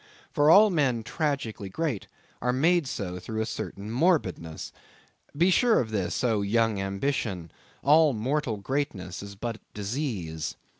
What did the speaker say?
For all men tragically great are made so through a certain morbidness. Be sure of this, O young ambition, all mortal greatness is but disease.